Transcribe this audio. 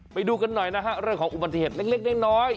ไปดูกันหน่อยนะฮะเรื่องของอุบัติเหตุเล็กน้อย